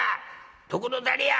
『どこの誰や？』。